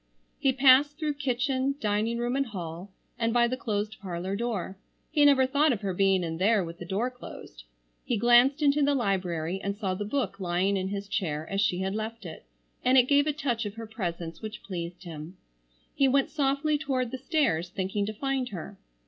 He passed through kitchen, dining room and hall, and by the closed parlor door. He never thought of her being in there with the door closed. He glanced into the library and saw the book lying in his chair as she had left it, and it gave a touch of her presence which pleased him. He went softly toward the stairs thinking to find her.